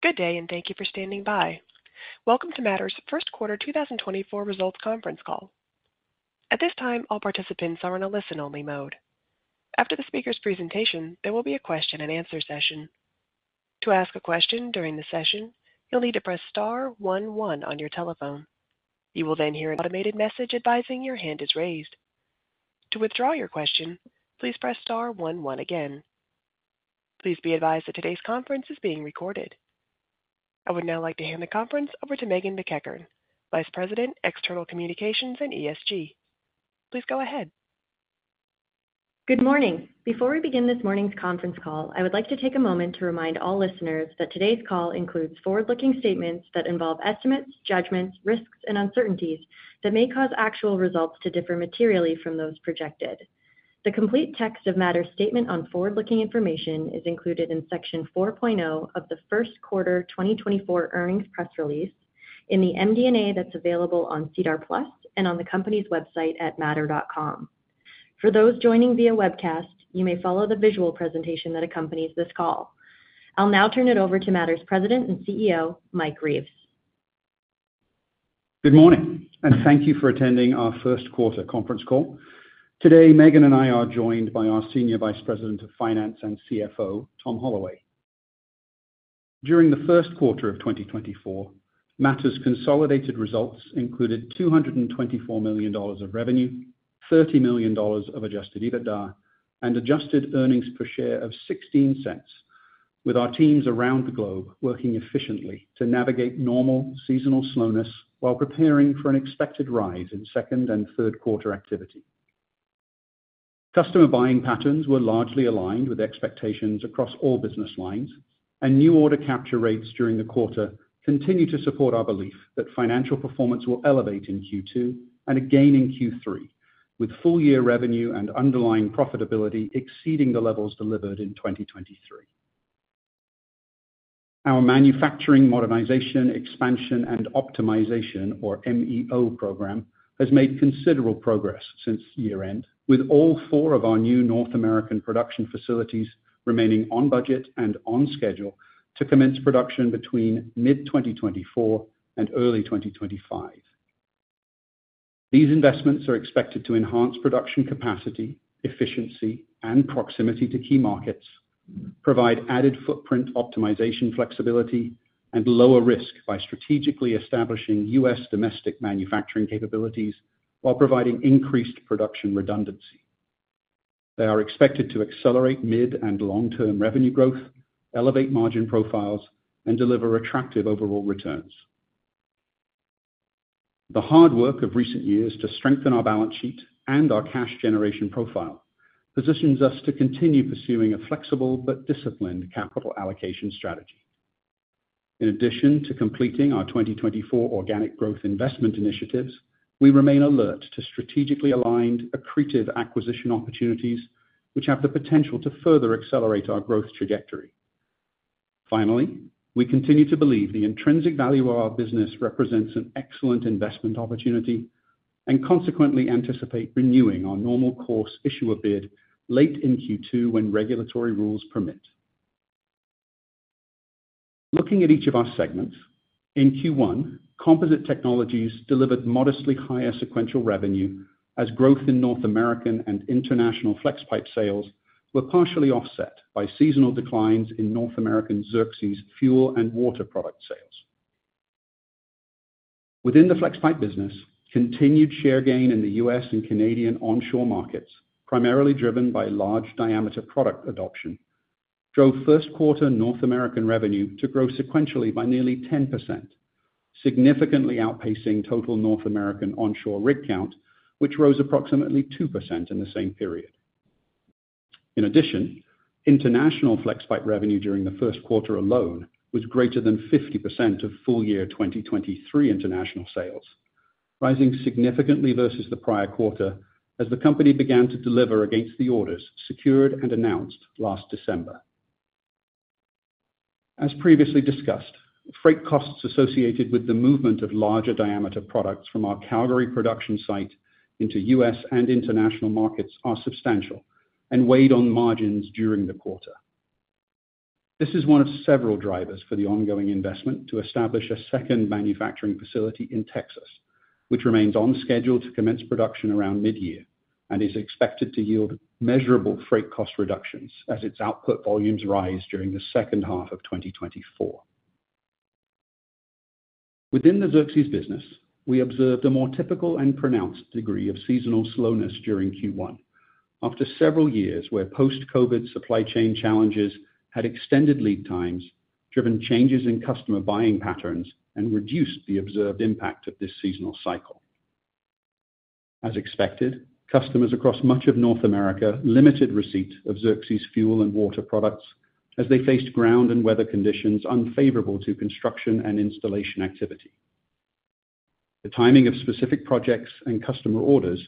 Good day, and thank you for standing by. Welcome to Mattr's first quarter 2024 results conference call. At this time, all participants are in a listen-only mode. After the speaker's presentation, there will be a question-and-answer session. To ask a question during the session, you'll need to press star one one on your telephone. You will then hear an automated message advising your hand is raised. To withdraw your question, please press star one one again. Please be advised that today's conference is being recorded. I would now like to hand the conference over to Meghan MacEachern, Vice President, External Communications and ESG. Please go ahead. Good morning. Before we begin this morning's conference call, I would like to take a moment to remind all listeners that today's call includes forward-looking statements that involve estimates, judgments, risks, and uncertainties that may cause actual results to differ materially from those projected. The complete text of Mattr's statement on forward-looking information is included in Section 4.0 of the first quarter 2024 earnings press release, in the MD&A that's available on SEDAR+ and on the company's website at mattr.com. For those joining via webcast, you may follow the visual presentation that accompanies this call. I'll now turn it over to Mattr's President and CEO, Mike Reeves. Good morning, and thank you for attending our first quarter conference call. Today, Meghan and I are joined by our Senior Vice President of Finance and CFO, Tom Holloway. During the first quarter of 2024, Mattr's consolidated results included $224 million of revenue, $30 million of Adjusted EBITDA, and Adjusted Earnings Per Share of $0.16, with our teams around the globe working efficiently to navigate normal seasonal slowness while preparing for an expected rise in second and third quarter activity. Customer buying patterns were largely aligned with expectations across all business lines, and new order capture rates during the quarter continue to support our belief that financial performance will elevate in Q2 and again in Q3, with full-year revenue and underlying profitability exceeding the levels delivered in 2023. Our Manufacturing, Modernization, Expansion, and Optimization, or MEO program, has made considerable progress since year-end, with all four of our new North American production facilities remaining on budget and on schedule to commence production between mid-2024 and early 2025. These investments are expected to enhance production capacity, efficiency, and proximity to key markets, provide added footprint optimization flexibility, and lower risk by strategically establishing U.S. domestic manufacturing capabilities while providing increased production redundancy. They are expected to accelerate mid- and long-term revenue growth, elevate margin profiles, and deliver attractive overall returns. The hard work of recent years to strengthen our balance sheet and our cash generation profile positions us to continue pursuing a flexible but disciplined capital allocation strategy. In addition to completing our 2024 organic growth investment initiatives, we remain alert to strategically aligned, accretive acquisition opportunities, which have the potential to further accelerate our growth trajectory. Finally, we continue to believe the intrinsic value of our business represents an excellent investment opportunity and consequently anticipate renewing our Normal Course Issuer Bid late in Q2, when regulatory rules permit. Looking at each of our segments, in Q1, Composite Technologies delivered modestly higher sequential revenue, as growth in North American and international Flexpipe sales were partially offset by seasonal declines in North American Xerxes fuel and water product sales. Within the Flexpipe business, continued share gain in the U.S. and Canadian onshore markets, primarily driven by large diameter product adoption, drove first quarter North American revenue to grow sequentially by nearly 10%, significantly outpacing total North American onshore rig count, which rose approximately 2% in the same period. In addition, international Flexpipe revenue during the first quarter alone was greater than 50% of full-year 2023 international sales, rising significantly versus the prior quarter as the company began to deliver against the orders secured and announced last December. As previously discussed, freight costs associated with the movement of larger diameter products from our Calgary production site into U.S. and international markets are substantial and weighed on margins during the quarter. This is one of several drivers for the ongoing investment to establish a second manufacturing facility in Texas, which remains on schedule to commence production around mid-year and is expected to yield measurable freight cost reductions as its output volumes rise during the second half of 2024. Within the Xerxes business, we observed a more typical and pronounced degree of seasonal slowness during Q1. After several years, where post-COVID supply chain challenges had extended lead times, driven changes in customer buying patterns and reduced the observed impact of this seasonal cycle. As expected, customers across much of North America limited receipt of Xerxes fuel and water products as they faced ground and weather conditions unfavorable to construction and installation activity. The timing of specific projects and customer orders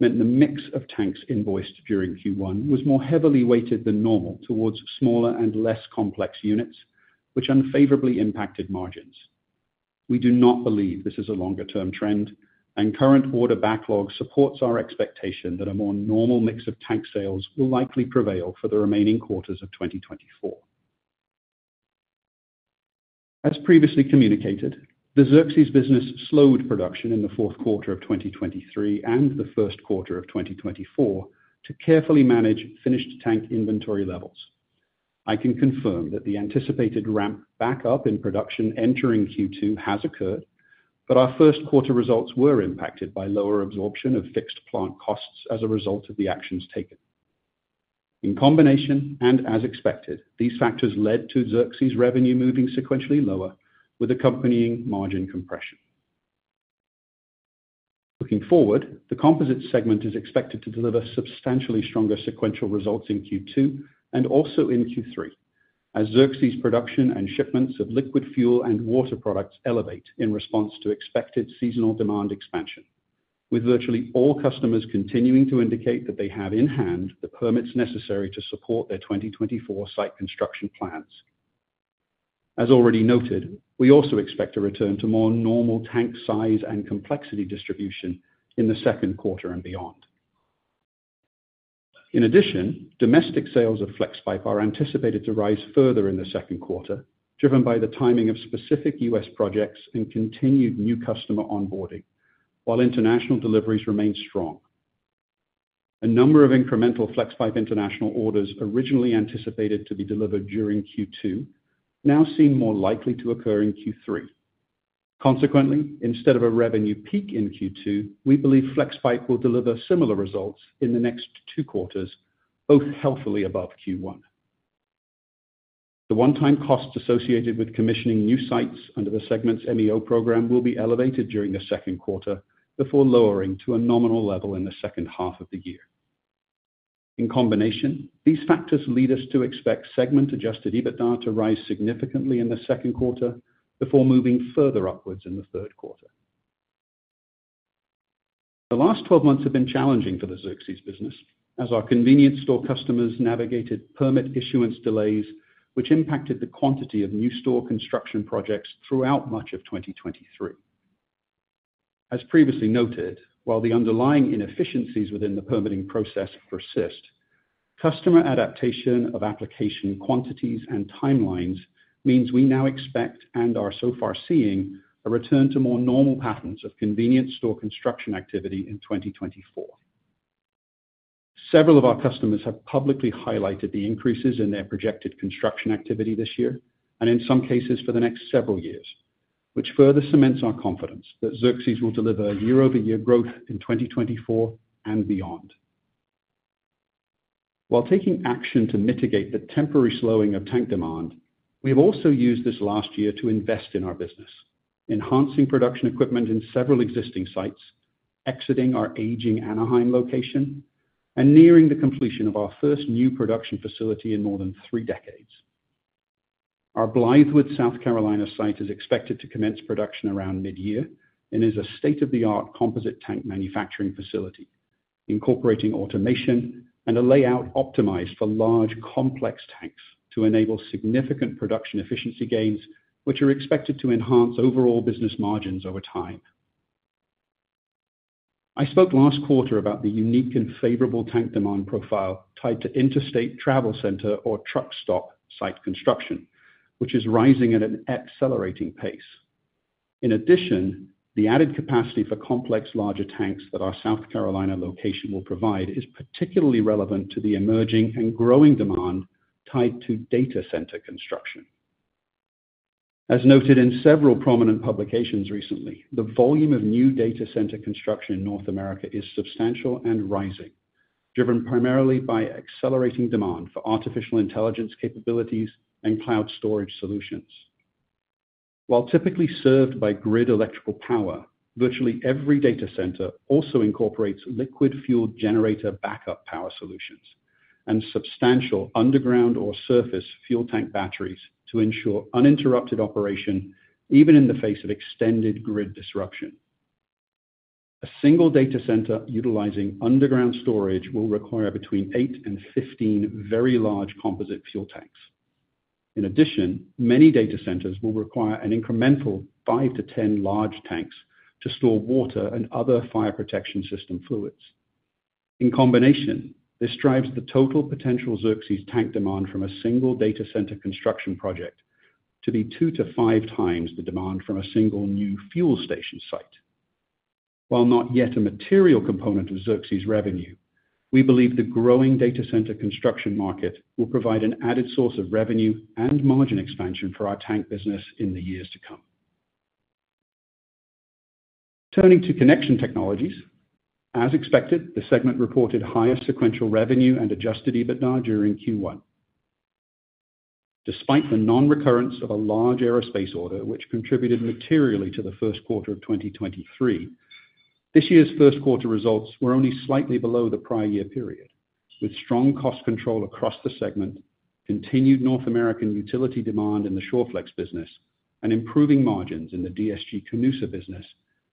meant the mix of tanks invoiced during Q1 was more heavily weighted than normal towards smaller and less complex units, which unfavorably impacted margins. We do not believe this is a longer-term trend, and current order backlog supports our expectation that a more normal mix of tank sales will likely prevail for the remaining quarters of 2024. As previously communicated, the Xerxes business slowed production in the fourth quarter of 2023 and the first quarter of 2024 to carefully manage finished tank inventory levels. I can confirm that the anticipated ramp back up in production entering Q2 has occurred, but our first quarter results were impacted by lower absorption of fixed plant costs as a result of the actions taken. In combination, and as expected, these factors led to Xerxes revenue moving sequentially lower, with accompanying margin compression. Looking forward, the composite segment is expected to deliver substantially stronger sequential results in Q2 and also in Q3, as Xerxes production and shipments of liquid fuel and water products elevate in response to expected seasonal demand expansion, with virtually all customers continuing to indicate that they have in hand the permits necessary to support their 2024 site construction plans. As already noted, we also expect a return to more normal tank size and complexity distribution in the second quarter and beyond. In addition, domestic sales of Flexpipe are anticipated to rise further in the second quarter, driven by the timing of specific U.S. projects and continued new customer onboarding, while international deliveries remain strong. A number of incremental Flexpipe international orders originally anticipated to be delivered during Q2, now seem more likely to occur in Q3. Consequently, instead of a revenue peak in Q2, we believe Flexpipe will deliver similar results in the next two quarters, both heavily above Q1. The one-time costs associated with commissioning new sites under the segment's MEO program will be elevated during the second quarter, before lowering to a nominal level in the second half of the year. In combination, these factors lead us to expect segment Adjusted EBITDA to rise significantly in the second quarter, before moving further upwards in the third quarter. The last 12 months have been challenging for the Xerxes business, as our convenience store customers navigated permit issuance delays, which impacted the quantity of new store construction projects throughout March of 2023. As previously noted, while the underlying inefficiencies within the permitting process persist, customer adaptation of application quantities and timelines means we now expect, and are so far seeing, a return to more normal patterns of convenience store construction activity in 2024. Several of our customers have publicly highlighted the increases in their projected construction activity this year, and in some cases for the next several years, which further cements our confidence that Xerxes will deliver a year-over-year growth in 2024 and beyond. While taking action to mitigate the temporary slowing of tank demand, we have also used this last year to invest in our business, enhancing production equipment in several existing sites, exiting our aging Anaheim location, and nearing the completion of our first new production facility in more than three decades. Our Blythewood, South Carolina site is expected to commence production around mid-year and is a state-of-the-art composite tank manufacturing facility, incorporating automation and a layout optimized for large, complex tanks to enable significant production efficiency gains, which are expected to enhance overall business margins over time. I spoke last quarter about the unique and favorable tank demand profile tied to interstate travel center or truck stop site construction, which is rising at an accelerating pace. In addition, the added capacity for complex, larger tanks that our South Carolina location will provide, is particularly relevant to the emerging and growing demand tied to data center construction. As noted in several prominent publications recently, the volume of new data center construction in North America is substantial and rising, driven primarily by accelerating demand for artificial intelligence capabilities and cloud storage solutions. While typically served by grid electrical power, virtually every data center also incorporates liquid fuel generator backup power solutions and substantial underground or surface fuel tank batteries to ensure uninterrupted operation, even in the face of extended grid disruption. A single data center utilizing underground storage will require between eight and 15 very large composite fuel tanks. In addition, many data centers will require an incremental five to 10 large tanks to store water and other fire protection system fluids. In combination, this drives the total potential Xerxes tank demand from a single data center construction project to be two times to five times the demand from a single new fuel station site. While not yet a material component of Xerxes revenue, we believe the growing data center construction market will provide an added source of revenue and margin expansion for our tank business in the years to come. Turning to Connection Technologies. As expected, the segment reported higher sequential revenue and Adjusted EBITDA during Q1. Despite the non-recurrence of a large aerospace order, which contributed materially to the first quarter of 2023, this year's first quarter results were only slightly below the prior year period, with strong cost control across the segment, continued North American utility demand in the Shawflex business, and improving margins in the DSG-Canusa business,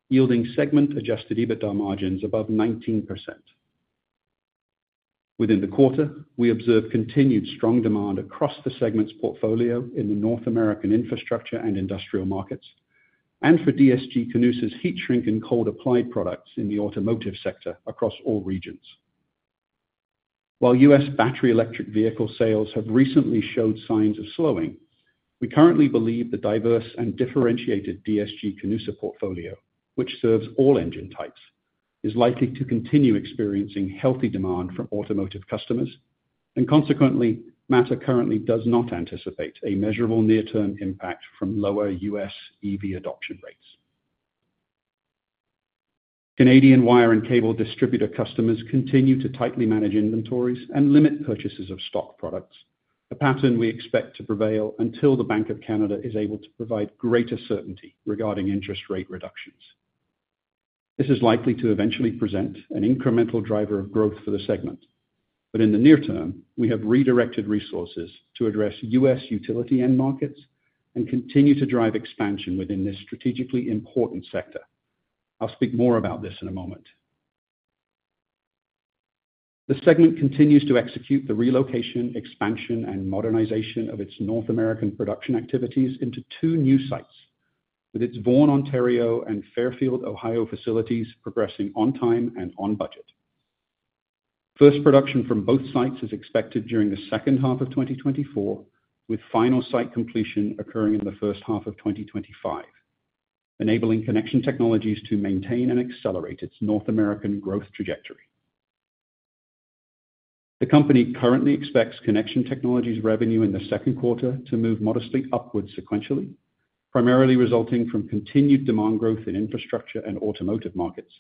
yielding segment Adjusted EBITDA margins above 19%. Within the quarter, we observed continued strong demand across the segment's portfolio in the North American infrastructure and industrial markets, and for DSG-Canusa's heat shrink and cold applied products in the automotive sector across all regions. While U.S. battery electric vehicle sales have recently showed signs of slowing, we currently believe the diverse and differentiated DSG-Canusa portfolio, which serves all engine types, is likely to continue experiencing healthy demand from automotive customers, and consequently, Mattr currently does not anticipate a measurable near-term impact from lower U.S. EV adoption rates. Canadian wire and cable distributor customers continue to tightly manage inventories and limit purchases of stock products, a pattern we expect to prevail until the Bank of Canada is able to provide greater certainty regarding interest rate reductions. This is likely to eventually present an incremental driver of growth for the segment, but in the near term, we have redirected resources to address U.S. utility end markets and continue to drive expansion within this strategically important sector. I'll speak more about this in a moment. The segment continues to execute the relocation, expansion, and modernization of its North American production activities into two new sites, with its Vaughan, Ontario, and Fairfield, Ohio, facilities progressing on time and on budget. First production from both sites is expected during the second half of 2024, with final site completion occurring in the first half of 2025, enabling Connection Technologies to maintain and accelerate its North American growth trajectory. The company currently expects Connection Technologies revenue in the second quarter to move modestly upward sequentially, primarily resulting from continued demand growth in infrastructure and automotive markets,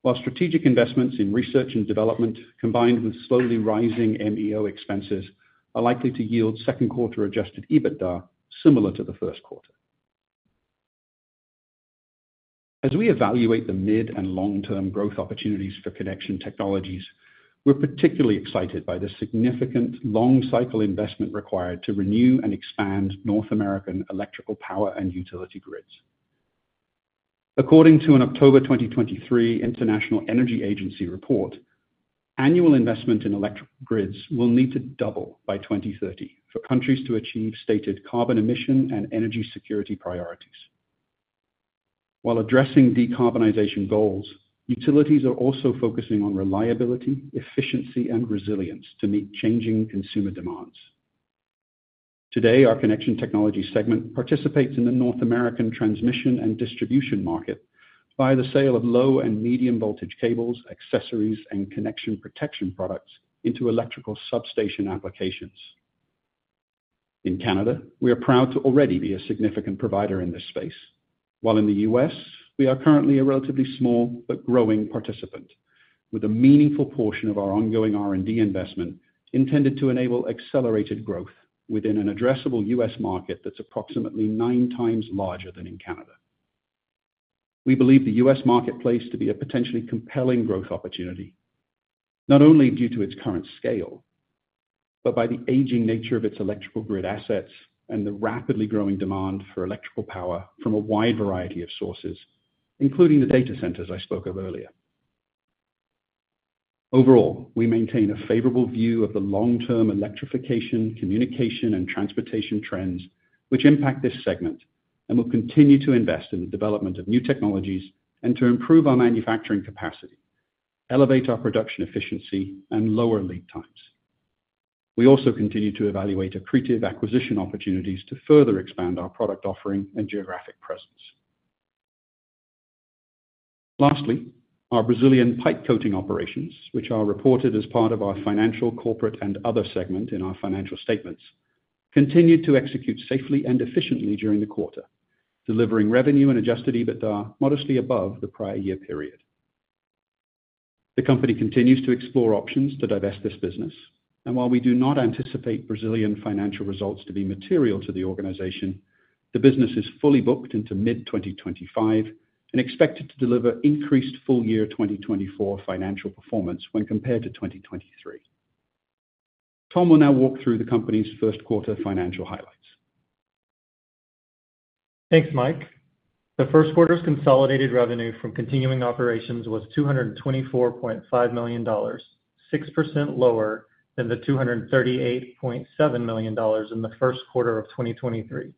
while strategic investments in research and development, combined with slowly rising MEO expenses, are likely to yield second quarter Adjusted EBITDA similar to the first quarter. As we evaluate the mid- and long-term growth opportunities for Connection Technologies, we're particularly excited by the significant long cycle investment required to renew and expand North American electrical power and utility grids. According to an October 2023 International Energy Agency report, annual investment in electric grids will need to double by 2030 for countries to achieve stated carbon emission and energy security priorities. While addressing decarbonization goals, utilities are also focusing on reliability, efficiency, and resilience to meet changing consumer demands. Today, our Connection Technologies segment participates in the North American transmission and distribution market by the sale of low and medium voltage cables, accessories, and connection protection products into electrical substation applications. In Canada, we are proud to already be a significant provider in this space, while in the U.S., we are currently a relatively small but growing participant, with a meaningful portion of our ongoing R&D investment intended to enable accelerated growth within an addressable U.S. market that's approximately nine times larger than in Canada. We believe the U.S. marketplace to be a potentially compelling growth opportunity, not only due to its current scale, but by the aging nature of its electrical grid assets and the rapidly growing demand for electrical power from a wide variety of sources, including the data centers I spoke of earlier. Overall, we maintain a favorable view of the long-term electrification, communication, and transportation trends, which impact this segment, and will continue to invest in the development of new technologies and to improve our manufacturing capacity, elevate our production efficiency, and lower lead times. We also continue to evaluate accretive acquisition opportunities to further expand our product offering and geographic presence. Lastly, our Brazilian pipe coating operations, which are reported as part of our Financial, Corporate and Other segment in our financial statements, continued to execute safely and efficiently during the quarter, delivering revenue and Adjusted EBITDA modestly above the prior year period. The company continues to explore options to divest this business, and while we do not anticipate Brazilian financial results to be material to the organization, the business is fully booked into mid-2025 and expected to deliver increased full year 2024 financial performance when compared to 2023. Tom will now walk through the company's first quarter financial highlights. Thanks, Mike. The first quarter's consolidated revenue from continuing operations was $224.5 million, 6% lower than the $238.7 million in the first quarter of 2023.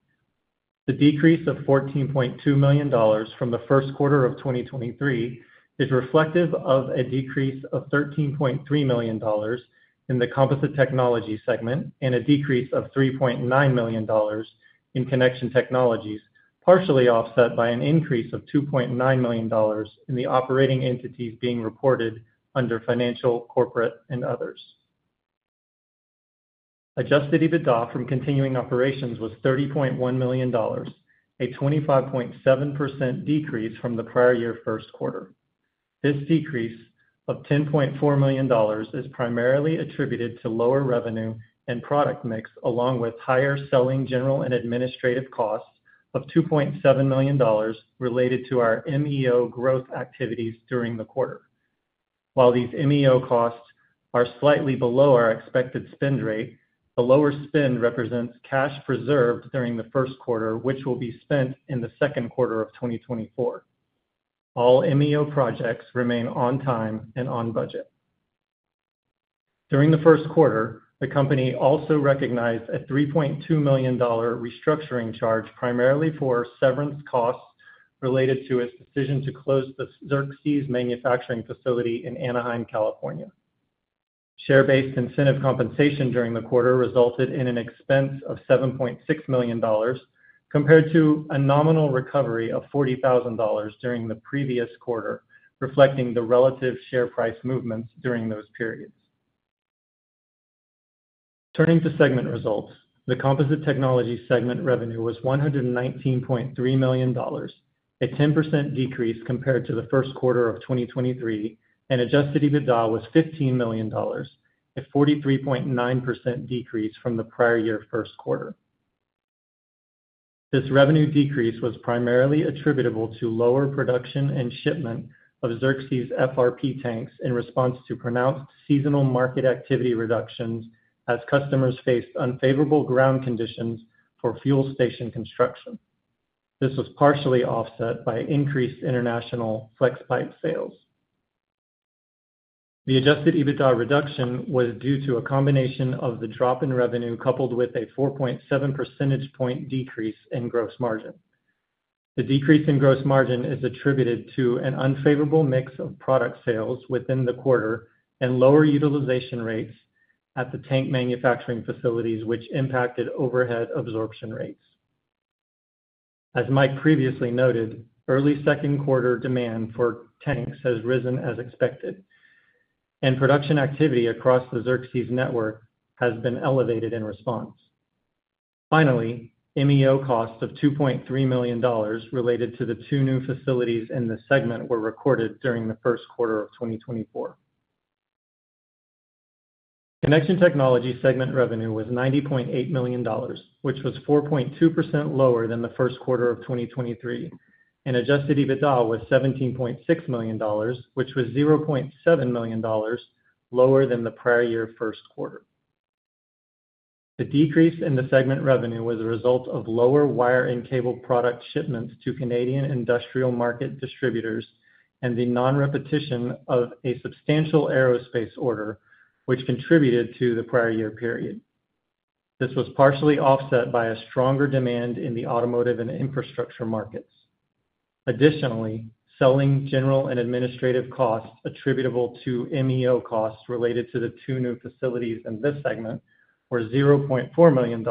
The decrease of $14.2 million from the first quarter of 2023 is reflective of a decrease of $13.3 million in the Composite Technologies segment, and a decrease of $3.9 million in Connection Technologies, partially offset by an increase of $2.9 million in the operating entities being reported under Financial, Corporate, and Others. Adjusted EBITDA from continuing operations was $30.1 million, a 25.7% decrease from the prior year first quarter. This decrease of $10.4 million is primarily attributed to lower revenue and product mix, along with higher selling general and administrative costs of $2.7 million related to our MEO growth activities during the quarter. While these MEO costs are slightly below our expected spend rate, the lower spend represents cash preserved during the first quarter, which will be spent in the second quarter of 2024. All MEO projects remain on time and on budget. During the first quarter, the company also recognized a $3.2 million restructuring charge, primarily for severance costs related to its decision to close the Xerxes manufacturing facility in Anaheim, California. Share-based incentive compensation during the quarter resulted in an expense of $7.6 million, compared to a nominal recovery of $40,000 during the previous quarter, reflecting the relative share price movements during those periods. Turning to segment results, the Composite Technologies segment revenue was $119.3 million, a 10% decrease compared to the first quarter of 2023, and Adjusted EBITDA was $15 million, a 43.9% decrease from the prior year first quarter. This revenue decrease was primarily attributable to lower production and shipment of Xerxes FRP tanks in response to pronounced seasonal market activity reductions as customers faced unfavorable ground conditions for fuel station construction. This was partially offset by increased international Flexpipe sales. The adjusted EBITDA reduction was due to a combination of the drop in revenue, coupled with a 4.7 percentage point decrease in gross margin. The decrease in gross margin is attributed to an unfavorable mix of product sales within the quarter and lower utilization rates at the tank manufacturing facilities, which impacted overhead absorption rates. As Mike previously noted, early second quarter demand for tanks has risen as expected, and production activity across the Xerxes network has been elevated in response. Finally, MEO costs of $2.3 million related to the two new facilities in this segment were recorded during the first quarter of 2024. Connection Technologies segment revenue was $90.8 million, which was 4.2% lower than the first quarter of 2023, and Adjusted EBITDA was $17.6 million, which was $0.7 million lower than the prior-year first quarter. The decrease in the segment revenue was a result of lower wire and cable product shipments to Canadian industrial market distributors and the non-repetition of a substantial aerospace order, which contributed to the prior year period. This was partially offset by a stronger demand in the automotive and infrastructure markets. Additionally, selling, general and administrative costs attributable to MEO costs related to the two new facilities in this segment were $0.4 million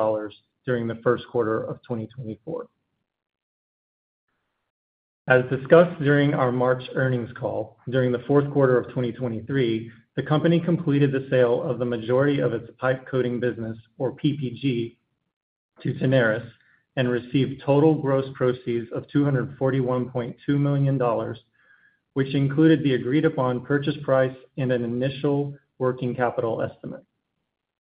during the first quarter of 2024. As discussed during our March earnings call, during the fourth quarter of 2023, the company completed the sale of the majority of its pipe coating business, or PPG, to Tenaris and received total gross proceeds of $241.2 million, which included the agreed-upon purchase price and an initial working capital estimate.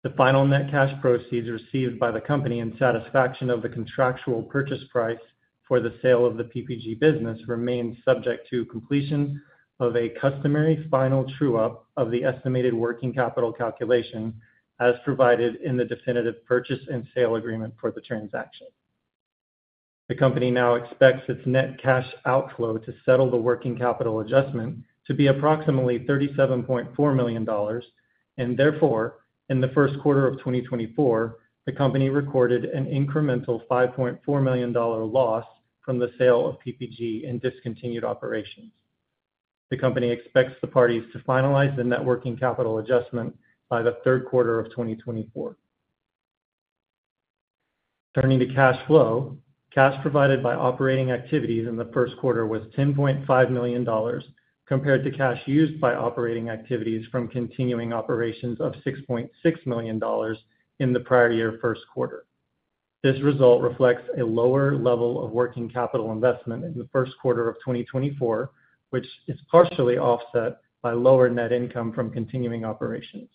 The final net cash proceeds received by the company in satisfaction of the contractual purchase price for the sale of the PPG business remains subject to completion of a customary final true-up of the estimated working capital calculation, as provided in the definitive purchase and sale agreement for the transaction. The company now expects its net cash outflow to settle the working capital adjustment to be approximately $37.4 million, and therefore, in the first quarter of 2024, the company recorded an incremental $5.4 million loss from the sale of PPG in discontinued operations. The company expects the parties to finalize the net working capital adjustment by the third quarter of 2024. Turning to cash flow. Cash provided by operating activities in the first quarter was $10.5 million, compared to cash used by operating activities from continuing operations of $6.6 million in the prior year first quarter. This result reflects a lower level of working capital investment in the first quarter of 2024, which is partially offset by lower net income from continuing operations.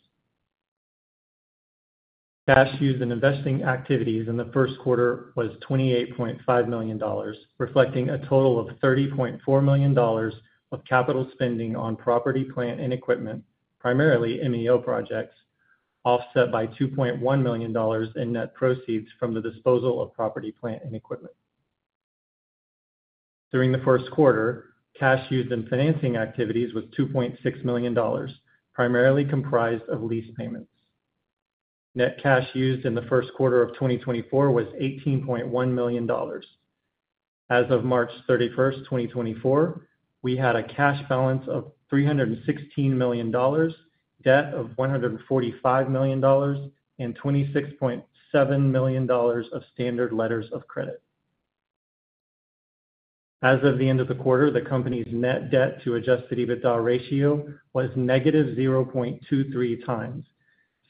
Cash used in investing activities in the first quarter was $28.5 million, reflecting a total of $30.4 million of capital spending on property, plant, and equipment, primarily MEO projects, offset by $2.1 million in net proceeds from the disposal of property, plant, and equipment. During the first quarter, cash used in financing activities was $2.6 million, primarily comprised of lease payments. Net cash used in the first quarter of 2024 was $18.1 million. As of March 31st, 2024, we had a cash balance of $316 million, debt of $145 million, and $26.7 million of standard letters of credit. As of the end of the quarter, the company's net debt to Adjusted EBITDA ratio was negative 0.23 times,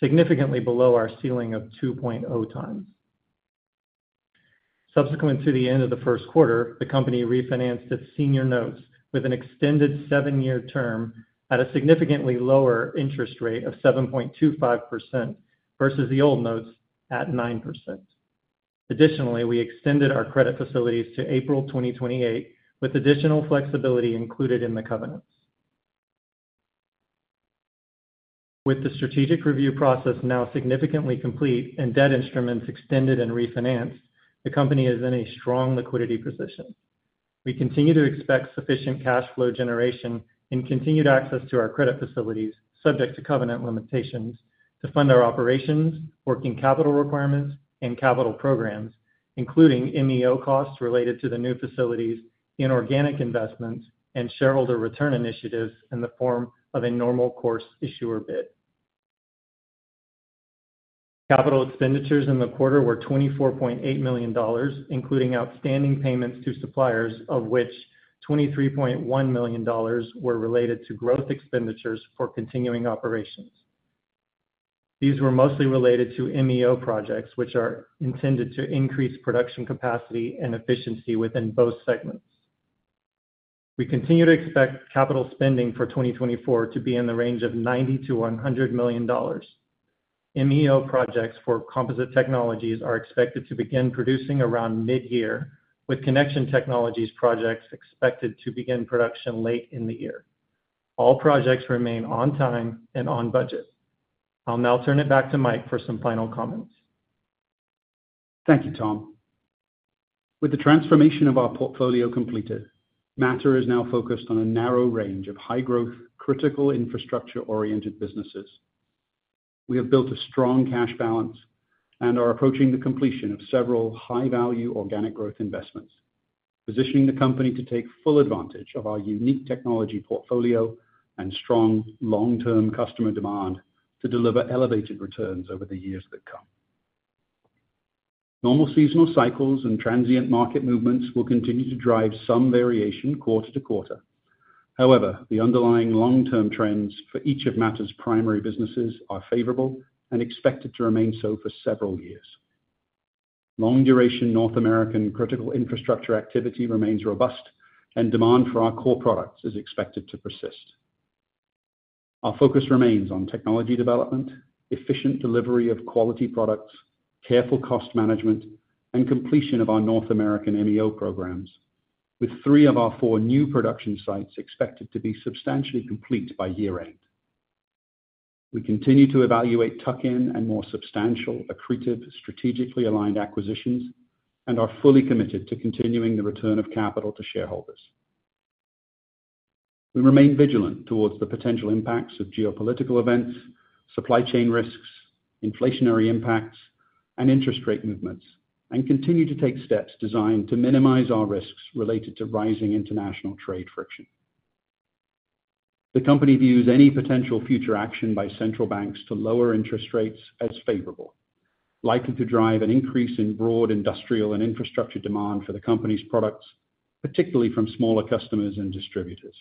significantly below our ceiling of 2.0 times. Subsequent to the end of the first quarter, the company refinanced its senior notes with an extended 7-year term at a significantly lower interest rate of 7.25%, versus the old notes at 9%. Additionally, we extended our credit facilities to April 2028, with additional flexibility included in the covenants. With the strategic review process now significantly complete and debt instruments extended and refinanced, the company is in a strong liquidity position. We continue to expect sufficient cash flow generation and continued access to our credit facilities, subject to covenant limitations, to fund our operations, working capital requirements, and capital programs, including MEO costs related to the new facilities in organic investments and shareholder return initiatives in the form of a Normal Course Issuer Bid. Capital expenditures in the quarter were $24.8 million, including outstanding payments to suppliers, of which $23.1 million were related to growth expenditures for continuing operations. These were mostly related to MEO projects, which are intended to increase production capacity and efficiency within both segments. We continue to expect capital spending for 2024 to be in the range of $90 million-$100 million. MEO projects for Composite Technologies are expected to begin producing around mid-year, with Connection Technologies projects expected to begin production late in the year. All projects remain on time and on budget. I'll now turn it back to Mike for some final comments. Thank you, Tom. With the transformation of our portfolio completed, Mattr is now focused on a narrow range of high-growth, critical infrastructure-oriented businesses. We have built a strong cash balance and are approaching the completion of several high-value organic growth investments, positioning the company to take full advantage of our unique technology portfolio and strong long-term customer demand to deliver elevated returns over the years that come. Normal seasonal cycles and transient market movements will continue to drive some variation quarter to quarter. However, the underlying long-term trends for each of Mattr's primary businesses are favorable and expected to remain so for several years. Long-duration North American critical infrastructure activity remains robust, and demand for our core products is expected to persist. Our focus remains on technology development, efficient delivery of quality products, careful cost management, and completion of our North American MEO programs, with three of our four new production sites expected to be substantially complete by year-end. We continue to evaluate tuck-in and more substantial, accretive, strategically aligned acquisitions and are fully committed to continuing the return of capital to shareholders. We remain vigilant towards the potential impacts of geopolitical events, supply chain risks, inflationary impacts, and interest rate movements, and continue to take steps designed to minimize our risks related to rising international trade friction. The company views any potential future action by central banks to lower interest rates as favorable, likely to drive an increase in broad industrial and infrastructure demand for the company's products, particularly from smaller customers and distributors.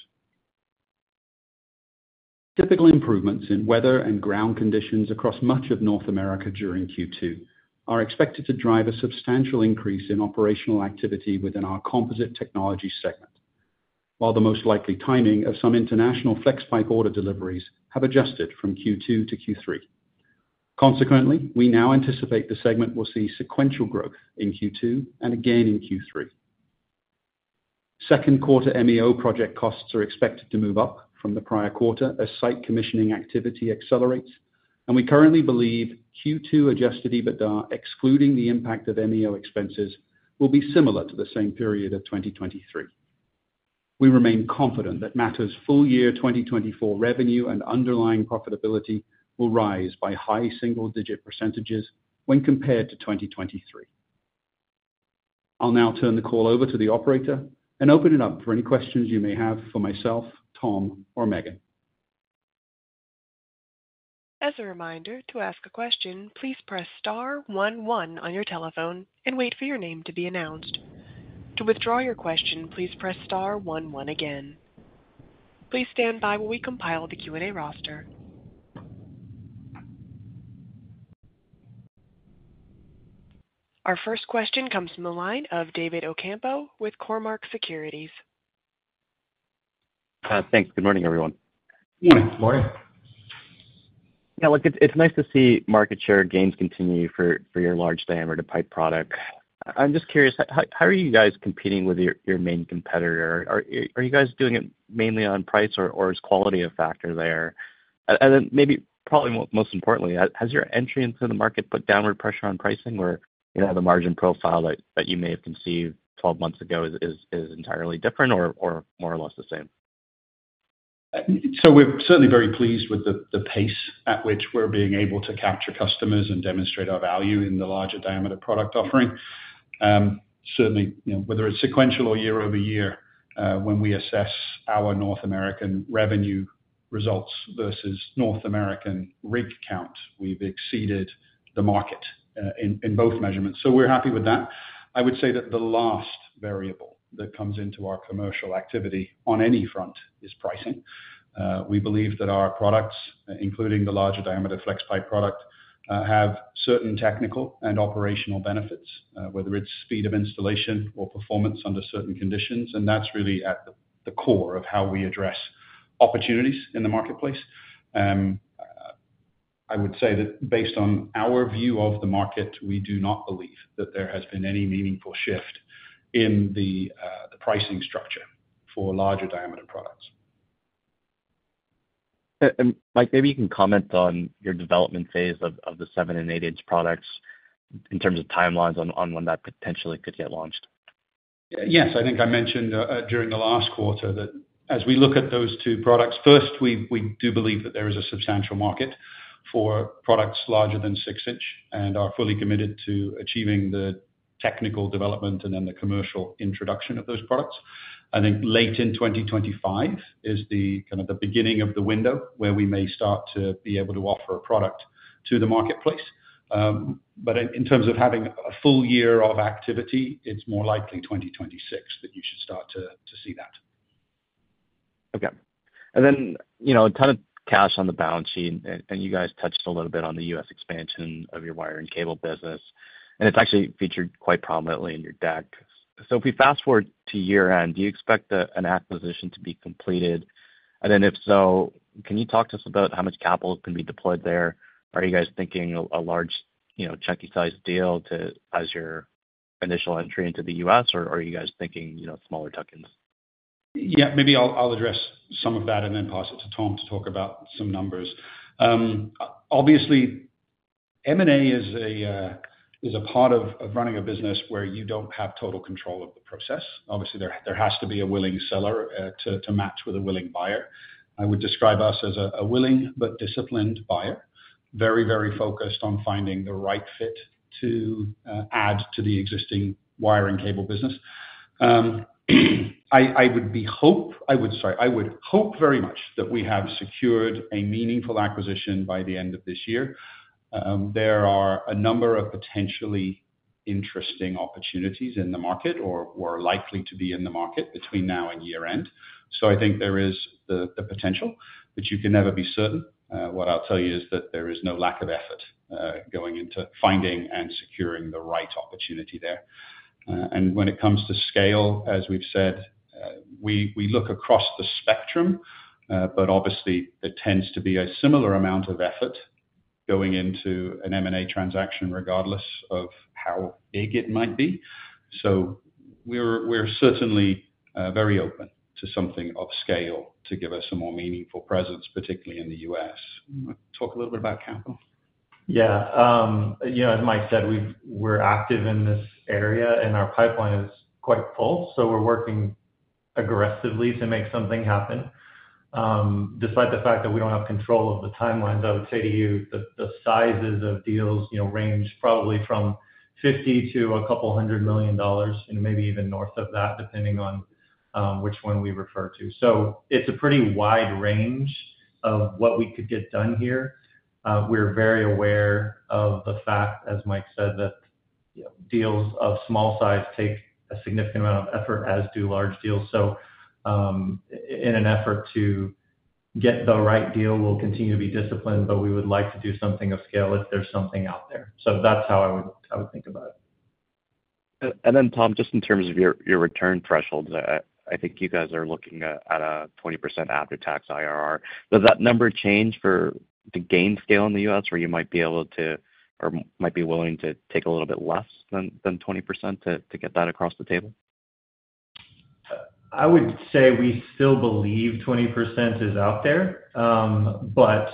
Typical improvements in weather and ground conditions across much of North America during Q2 are expected to drive a substantial increase in operational activity within our Composite Technology segment, while the most likely timing of some international Flexpipe order deliveries have adjusted from Q2 to Q3. Consequently, we now anticipate the segment will see sequential growth in Q2 and again in Q3. Second quarter MEO project costs are expected to move up from the prior quarter as site commissioning activity accelerates, and we currently believe Q2 Adjusted EBITDA, excluding the impact of MEO expenses, will be similar to the same period of 2023. We remain confident that Mattr's full year 2024 revenue and underlying profitability will rise by high single-digit % when compared to 2023. I'll now turn the call over to the operator and open it up for any questions you may have for myself, Tom, or Meghan. As a reminder, to ask a question, please press star one one on your telephone and wait for your name to be announced. To withdraw your question, please press star one one again. Please stand by while we compile the Q&A roster. Our first question comes from the line of David Ocampo with Cormark Securities. Thanks. Good morning, everyone. Good morning. Good morning. Yeah, look, it's nice to see market share gains continue for your large diameter pipe product. I'm just curious, how are you guys competing with your main competitor? Are you guys doing it mainly on price, or is quality a factor there? And then maybe, probably most importantly, has your entry into the market put downward pressure on pricing where, you know, the margin profile that you may have conceived twelve months ago is entirely different or more or less the same? So we're certainly very pleased with the pace at which we're being able to capture customers and demonstrate our value in the larger diameter product offering. Certainly, you know, whether it's sequential or year over year, when we assess our North American revenue results versus North American rig count, we've exceeded the market in both measurements, so we're happy with that. I would say that the last variable that comes into our commercial activity on any front is pricing. We believe that our products, including the larger diameter Flexpipe product, have certain technical and operational benefits, whether it's speed of installation or performance under certain conditions, and that's really at the core of how we address opportunities in the marketplace. I would say that based on our view of the market, we do not believe that there has been any meaningful shift in the pricing structure for larger diameter products. Mike, maybe you can comment on your development phase of the 7- and 8-inch products in terms of timelines on when that potentially could get launched. Yes, I think I mentioned during the last quarter that as we look at those two products, first, we do believe that there is a substantial market for products larger than 6-inch, and are fully committed to achieving the technical development and then the commercial introduction of those products. I think late in 2025 is the kind of the beginning of the window where we may start to be able to offer a product to the marketplace. But in terms of having a full year of activity, it's more likely 2026 that you should start to see that. Okay. And then, you know, a ton of cash on the balance sheet, and you guys touched a little bit on the U.S. expansion of your wire and cable business, and it's actually featured quite prominently in your deck. So if we fast-forward to year-end, do you expect an acquisition to be completed? And then if so, can you talk to us about how much capital is going to be deployed there? Are you guys thinking a large, you know, chunky-sized deal as your initial entry into the U.S., or are you guys thinking, you know, smaller tuck-ins? Yeah, maybe I'll address some of that and then pass it to Tom to talk about some numbers. Obviously, M&A is a part of running a business where you don't have total control of the process. Obviously, there has to be a willing seller to match with a willing buyer. I would describe us as a willing but disciplined buyer. Very, very focused on finding the right fit to add to the existing wire and cable business. I would, sorry, I would hope very much that we have secured a meaningful acquisition by the end of this year. There are a number of potentially interesting opportunities in the market or likely to be in the market between now and year-end. So I think there is the potential, but you can never be certain. What I'll tell you is that there is no lack of effort going into finding and securing the right opportunity there. And when it comes to scale, as we've said, we look across the spectrum, but obviously there tends to be a similar amount of effort going into an M&A transaction, regardless of how big it might be. So we're certainly very open to something of scale to give us a more meaningful presence, particularly in the U.S. Talk a little bit about capital. Yeah. You know, as Mike said, we're active in this area, and our pipeline is quite full, so we're working aggressively to make something happen. Despite the fact that we don't have control of the timelines, I would say to you that the sizes of deals, you know, range probably from $50 million to a couple $100 million and maybe even north of that, depending on, which one we refer to. So it's a pretty wide range of what we could get done here. We're very aware of the fact, as Mike said, that, you know, deals of small size take a significant amount of effort, as do large deals. So, in an effort to get the right deal, we'll continue to be disciplined, but we would like to do something of scale if there's something out there. So that's how I would think about it. And then, Tom, just in terms of your, your return thresholds, I think you guys are looking at, at a 20% after-tax IRR. Does that number change for the gain scale in the U.S., where you might be able to or might be willing to take a little bit less than, than 20% to, to get that across the table? I would say we still believe 20% is out there. But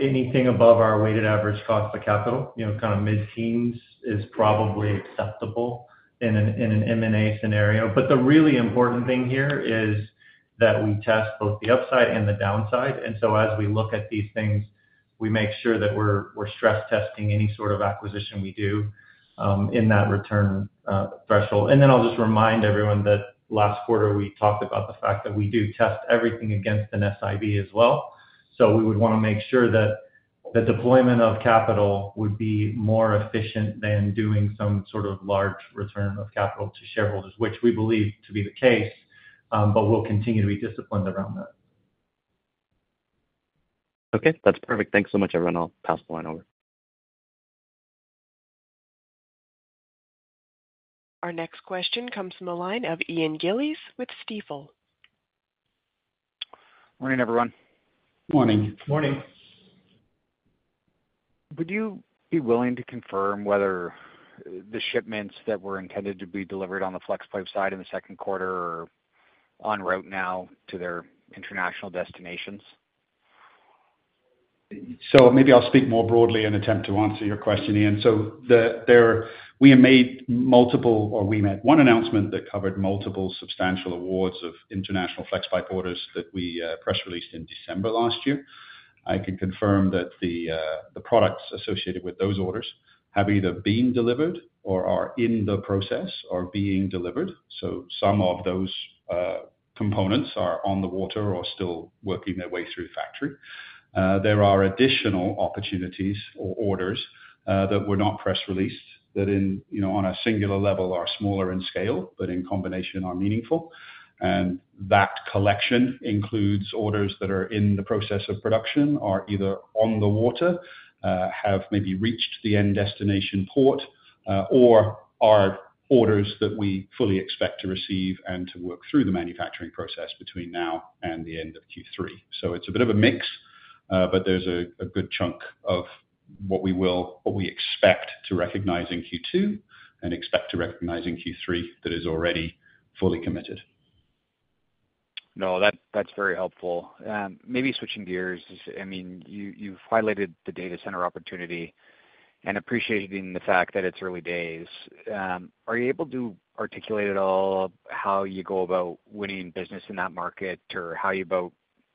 anything above our weighted average cost of capital, you know, kind of mid-teens, is probably acceptable in an M&A scenario. But the really important thing here is that we test both the upside and the downside, and so as we look at these things, we make sure that we're stress testing any sort of acquisition we do in that return threshold. And then I'll just remind everyone that last quarter, we talked about the fact that we do test everything against a SIB as well. So we would want to make sure that the deployment of capital would be more efficient than doing some sort of large return of capital to shareholders, which we believe to be the case, but we'll continue to be disciplined around that. Okay, that's perfect. Thanks so much, everyone. I'll pass the line over. Our next question comes from the line of Ian Gillies with Stifel. Morning, everyone. Morning. Morning. Would you be willing to confirm whether the shipments that were intended to be delivered on the Flexpipe side in the second quarter are on route now to their international destinations? So maybe I'll speak more broadly and attempt to answer your question, Ian. So we have made multiple, or we made one announcement that covered multiple substantial awards of international Flexpipe orders that we press released in December last year. I can confirm that the products associated with those orders have either been delivered or are in the process or being delivered. So some of those components are on the water or still working their way through factory. There are additional opportunities or orders that were not press released, that in, you know, on a singular level, are smaller in scale, but in combination are meaningful. And that collection includes orders that are in the process of production, are either on the water, have maybe reached the end destination port. or are orders that we fully expect to receive and to work through the manufacturing process between now and the end of Q3. So it's a bit of a mix, but there's a good chunk of what we expect to recognize in Q2 and expect to recognize in Q3 that is already fully committed. No, that's very helpful. Maybe switching gears, I mean, you've highlighted the data center opportunity and appreciating the fact that it's early days. Are you able to articulate at all how you go about winning business in that market or how you go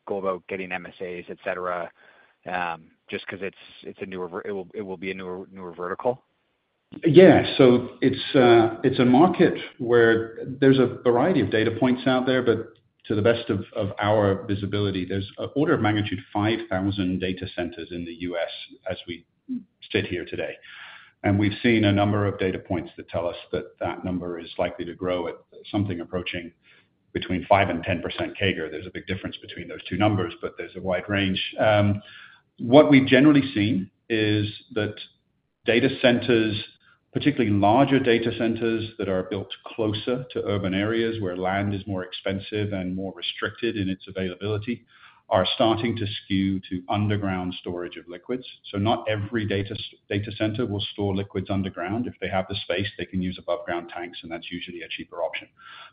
about getting MSAs, et cetera, just because it's a newer vertical? It will be a newer vertical? Yeah. So it's a market where there's a variety of data points out there, but to the best of our visibility, there's an order of magnitude, 5,000 data centers in the U.S. as we sit here today. And we've seen a number of data points that tell us that that number is likely to grow at something approaching between 5% and 10% CAGR. There's a big difference between those two numbers, but there's a wide range. What we've generally seen is that data centers, particularly larger data centers that are built closer to urban areas where land is more expensive and more restricted in its availability, are starting to skew to underground storage of liquids. So not every data center will store liquids underground. If they have the space, they can use above-ground tanks, and that's usually a cheaper option.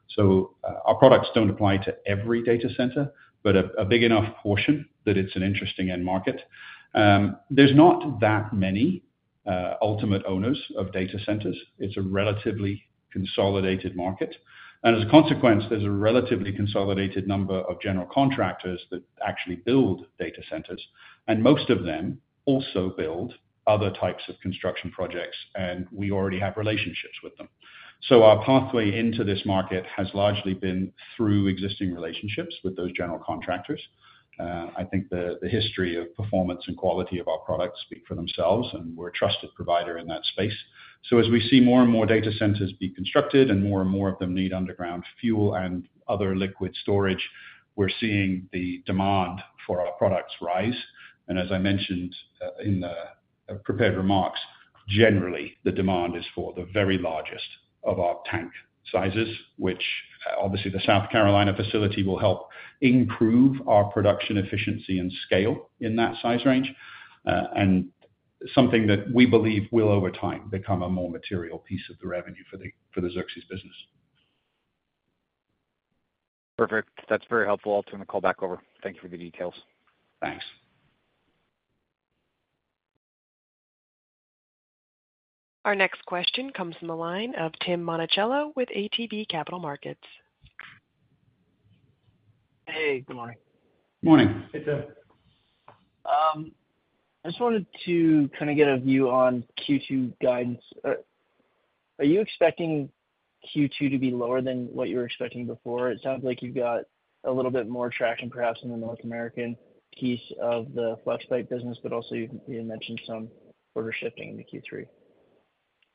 So, our products don't apply to every data center, but a big enough portion that it's an interesting end market. There's not that many ultimate owners of data centers. It's a relatively consolidated market, and as a consequence, there's a relatively consolidated number of general contractors that actually build data centers, and most of them also build other types of construction projects, and we already have relationships with them. So our pathway into this market has largely been through existing relationships with those general contractors. I think the history of performance and quality of our products speak for themselves, and we're a trusted provider in that space. So as we see more and more data centers be constructed and more and more of them need underground fuel and other liquid storage, we're seeing the demand for our products rise. And as I mentioned, in the prepared remarks, generally, the demand is for the very largest of our tank sizes, which, obviously, the South Carolina facility will help improve our production efficiency and scale in that size range, and something that we believe will, over time, become a more material piece of the revenue for the, for the Xerxes business. Perfect. That's very helpful. I'll turn the call back over. Thank you for the details. Thanks. Our next question comes from the line of Tim Monachello with ATB Capital Markets. Hey, good morning. Morning. Hey, Tim. I just wanted to kind of get a view on Q2 guidance. Are you expecting Q2 to be lower than what you were expecting before? It sounds like you've got a little bit more traction, perhaps in the North American piece of the Flexpipe business, but also you, you mentioned some order shifting into Q3.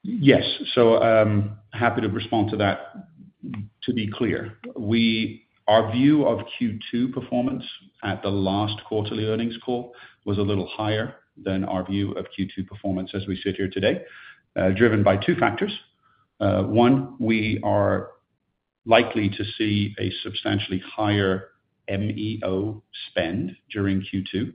Yes. So, happy to respond to that. To be clear, our view of Q2 performance at the last quarterly earnings call was a little higher than our view of Q2 performance as we sit here today, driven by two factors. One, we are likely to see a substantially higher MEO spend during Q2,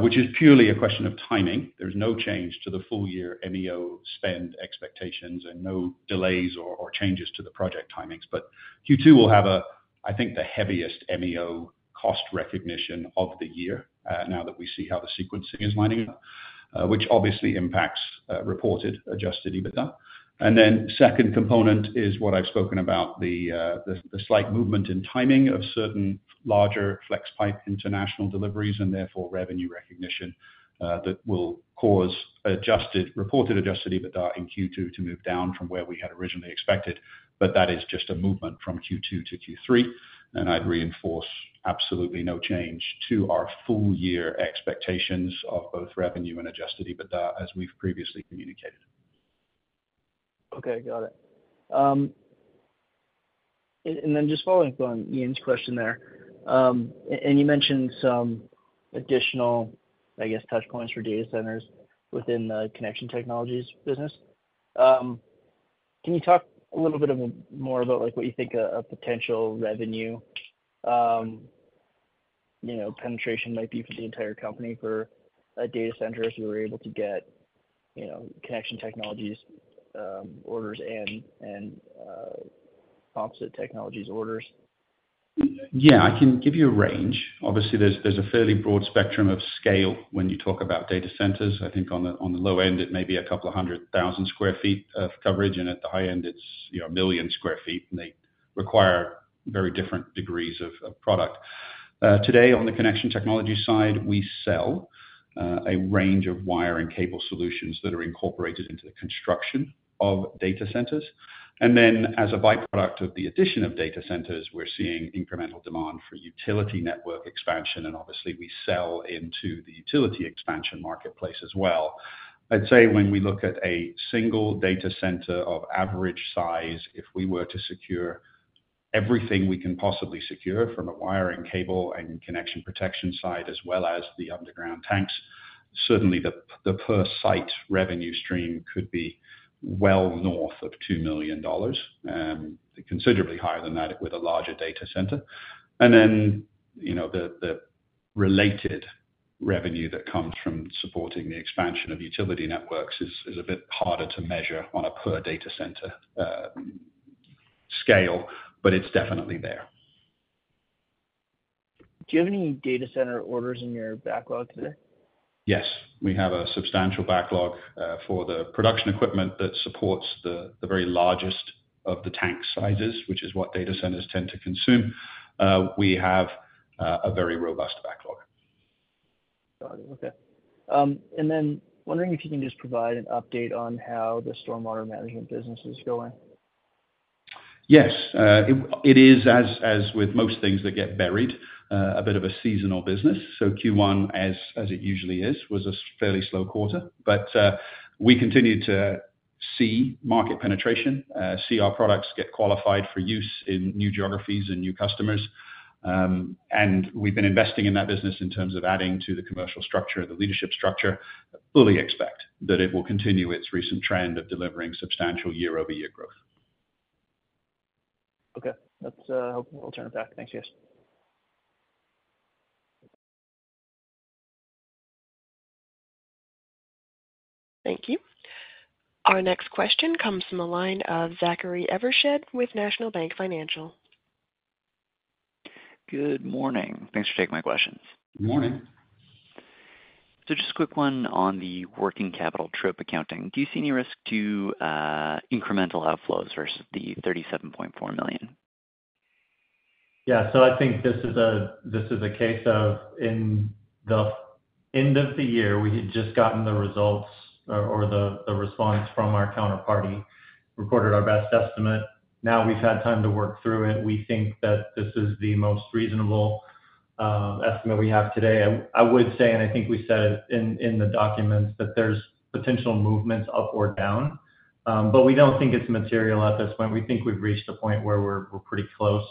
which is purely a question of timing. There's no change to the full year MEO spend expectations and no delays or changes to the project timings. But Q2 will have a, I think, the heaviest MEO cost recognition of the year, now that we see how the sequencing is lining up, which obviously impacts reported Adjusted EBITDA. And then second component is what I've spoken about, the the slight movement in timing of certain larger Flexpipe international deliveries and therefore, revenue recognition that will cause adjusted reported Adjusted EBITDA in Q2 to move down from where we had originally expected, but that is just a movement from Q2 to Q3, and I'd reinforce absolutely no change to our full year expectations of both revenue and Adjusted EBITDA, as we've previously communicated. Okay, got it. And then just following up on Ian's question there, and you mentioned some additional, I guess, touch points for data centers within the Connection Technologies business. Can you talk a little bit more about like what you think a potential revenue, you know, penetration might be for the entire company for data centers if you were able to get, you know, Connection Technologies orders in and Composite Technologies orders? Yeah, I can give you a range. Obviously, there's a fairly broad spectrum of scale when you talk about data centers. I think on the low end, it may be 200,000 sq ft of coverage, and at the high end, it's, you know, 1 million sq ft, and they require very different degrees of product. Today, on the Connection Technologies side, we sell a range of wire and cable solutions that are incorporated into the construction of data centers. And then, as a by-product of the addition of data centers, we're seeing incremental demand for utility network expansion, and obviously, we sell into the utility expansion marketplace as well. I'd say when we look at a single data center of average size, if we were to secure everything we can possibly secure from a wiring, cable, and connection protection side, as well as the underground tanks, certainly the per site revenue stream could be well north of $2 million, considerably higher than that with a larger data center. And then, you know, the related revenue that comes from supporting the expansion of utility networks is a bit harder to measure on a per data center scale, but it's definitely there. Do you have any data center orders in your backlog today? Yes, we have a substantial backlog for the production equipment that supports the very largest of the tank sizes, which is what data centers tend to consume. We have a very robust backlog. Got it. Okay. And then wondering if you can just provide an update on how the stormwater management business is going? Yes. It is, as with most things that get buried, a bit of a seasonal business. So Q1, as it usually is, was a fairly slow quarter, but we continue to see market penetration, see our products get qualified for use in new geographies and new customers. And we've been investing in that business in terms of adding to the commercial structure, the leadership structure, fully expect that it will continue its recent trend of delivering substantial year-over-year growth. Okay. That's. I'll turn it back. Thanks, guys. Thank you. Our next question comes from the line of Zachary Evershed with National Bank Financial. Good morning. Thanks for taking my questions. Morning. Just a quick one on the working capital trip accounting. Do you see any risk to incremental outflows versus the $37.4 million? Yeah. So I think this is a case of in the end of the year, we had just gotten the results or the response from our counterparty, recorded our best estimate. Now, we've had time to work through it. We think that this is the most reasonable estimate we have today. I would say, and I think we said it in the documents, that there's potential movements up or down, but we don't think it's material at this point. We think we've reached a point where we're pretty close.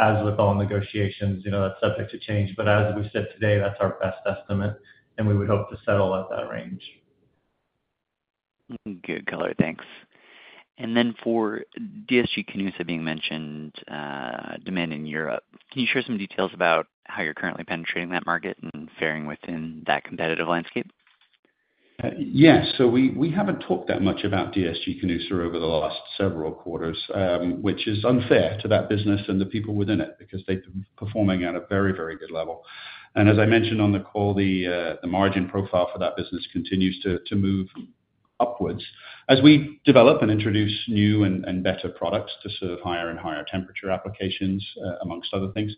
As with all negotiations, you know, that's subject to change. But as we've said today, that's our best estimate, and we would hope to settle at that range. Good color. Thanks. And then for DSG-Canusa being mentioned, demand in Europe, can you share some details about how you're currently penetrating that market and faring within that competitive landscape? Yes. So we, we haven't talked that much about DSG-Canusa over the last several quarters, which is unfair to that business and the people within it, because they've been performing at a very, very good level. And as I mentioned on the call, the margin profile for that business continues to move upwards as we develop and introduce new and better products to serve higher and higher temperature applications, among other things.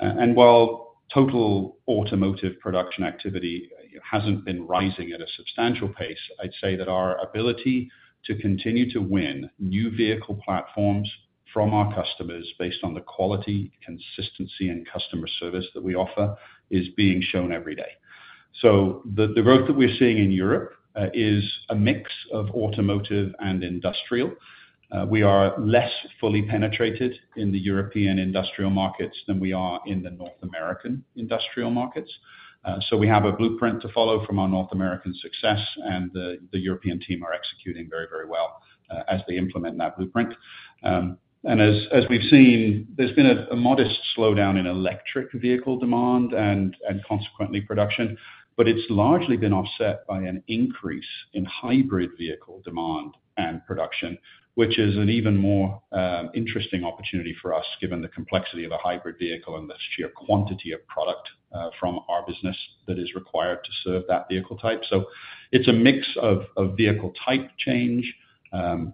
And while total automotive production activity hasn't been rising at a substantial pace, I'd say that our ability to continue to win new vehicle platforms from our customers based on the quality, consistency, and customer service that we offer is being shown every day. So the growth that we're seeing in Europe is a mix of automotive and industrial. We are less fully penetrated in the European industrial markets than we are in the North American industrial markets. So we have a blueprint to follow from our North American success, and the, the European team are executing very, very well, as they implement that blueprint. And as, as we've seen, there's been a, a modest slowdown in electric vehicle demand and, and consequently production, but it's largely been offset by an increase in hybrid vehicle demand and production, which is an even more, interesting opportunity for us, given the complexity of a hybrid vehicle and the sheer quantity of product, from our business that is required to serve that vehicle type. It's a mix of vehicle type change,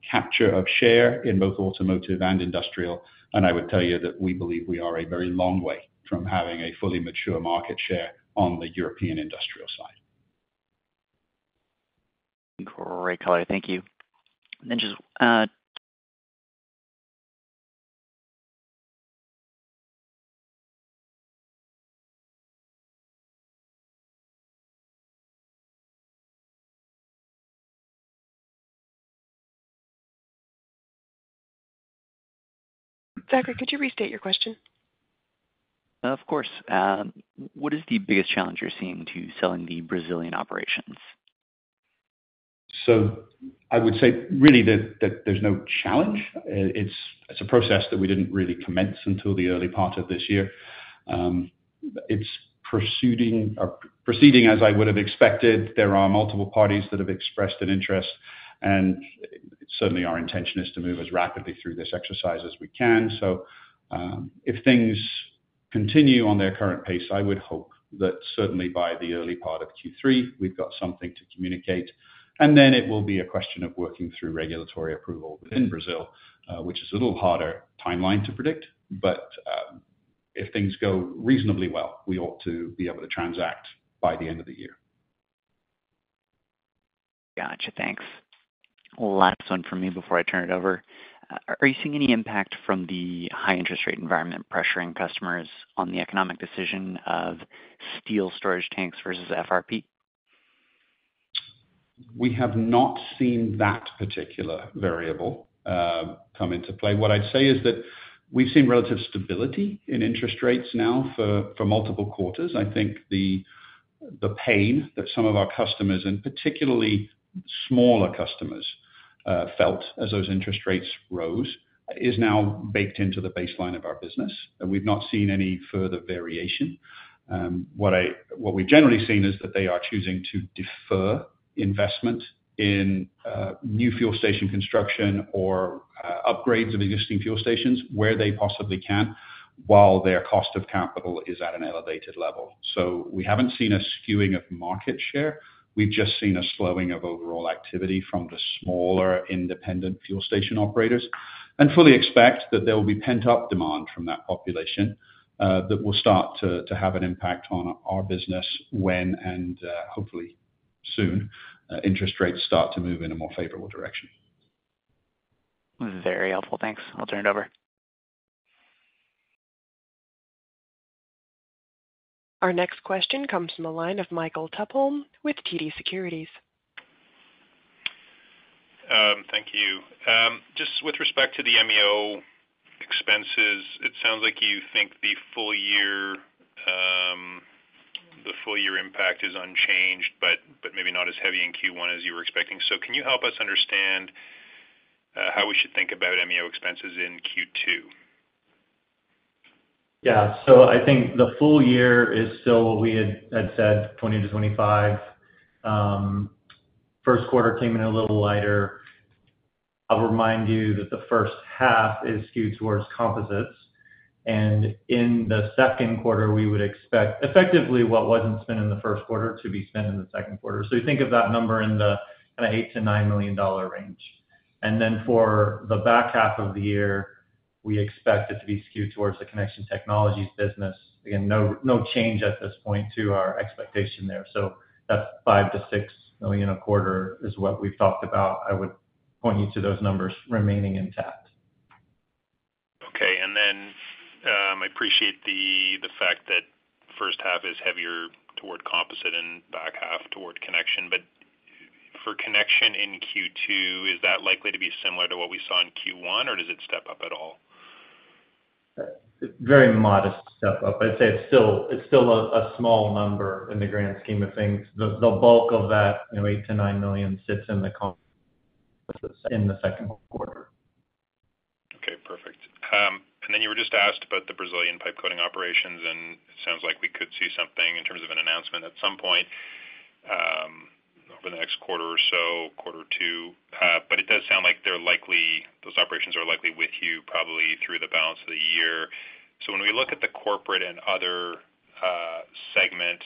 capture of share in both automotive and industrial, and I would tell you that we believe we are a very long way from having a fully mature market share on the European industrial side. Great color. Thank you. And then just, Zachary, could you restate your question? Of course. What is the biggest challenge you're seeing to selling the Brazilian operations? So I would say really that there's no challenge. It's a process that we didn't really commence until the early part of this year. It's pursuing or proceeding as I would have expected. There are multiple parties that have expressed an interest, and certainly our intention is to move as rapidly through this exercise as we can. So, if things continue on their current pace, I would hope that certainly by the early part of Q3, we've got something to communicate, and then it will be a question of working through regulatory approval within Brazil, which is a little harder timeline to predict, but if things go reasonably well, we ought to be able to transact by the end of the year. Gotcha. Thanks. Last one from me before I turn it over. Are you seeing any impact from the high interest rate environment pressuring customers on the economic decision of steel storage tanks versus FRP? We have not seen that particular variable come into play. What I'd say is that we've seen relative stability in interest rates now for multiple quarters. I think the pain that some of our customers, and particularly smaller customers, felt as those interest rates rose, is now baked into the baseline of our business, and we've not seen any further variation. What we've generally seen is that they are choosing to defer investment in new fuel station construction or upgrades of existing fuel stations where they possibly can, while their cost of capital is at an elevated level. So we haven't seen a skewing of market share. We've just seen a slowing of overall activity from the smaller, independent fuel station operators, and fully expect that there will be pent-up demand from that population that will start to have an impact on our business when and hopefully soon interest rates start to move in a more favorable direction. Very helpful. Thanks. I'll turn it over. Our next question comes from the line of Michael Tupholme with TD Securities. Thank you. Just with respect to the MEO expenses, it sounds like you think the full year, the full year impact is unchanged, but maybe not as heavy in Q1 as you were expecting. So can you help us understand how we should think about MEO expenses in Q2? Yeah. So I think the full year is still what we had, had said, $20 million-$25 million. First quarter came in a little lighter. I'll remind you that the first half is skewed towards composites, and in the second quarter, we would expect effectively what wasn't spent in the first quarter to be spent in the second quarter. So think of that number in the, kinda $8 million-$9 million range. And then for the back half of the year, we expect it to be skewed towards the Connection Technologies business. Again, no, no change at this point to our expectation there. So that's $5 million-$6 million a quarter is what we've talked about. I would point you to those numbers remaining intact. Okay. And then, I appreciate the fact that first half is heavier toward composite and back half toward connection, but for connection in Q2, is that likely to be similar to what we saw in Q1, or does it step up at all? Very modest step up. I'd say it's still a small number in the grand scheme of things. The bulk of that, you know, $8 million-$9 million sits in the second quarter. Okay, perfect. And then you were just asked about the Brazilian pipe coating operations, and it sounds like we could see something in terms of an announcement at some point, over the next quarter or so, quarter or two. But it does sound like they're likely, those operations are likely with you, probably through the balance of the year. So when we look at the corporate and other segments,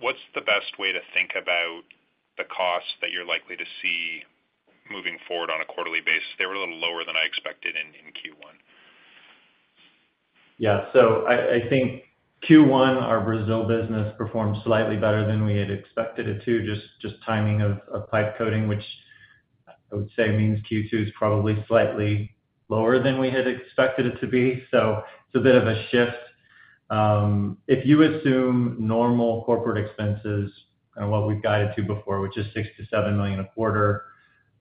what's the best way to think about the costs that you're likely to see moving forward on a quarterly basis? They were a little lower than I expected in Q1. Yeah. So I think Q1, our Brazil business performed slightly better than we had expected it to, just timing of pipe coating, which I would say means Q2 is probably slightly lower than we had expected it to be. So it's a bit of a shift. If you assume normal corporate expenses and what we've guided to before, which is $6 million-$7 million a quarter,